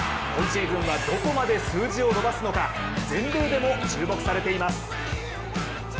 今シーズンはどこまで数字を伸ばすのか全米でも注目されています。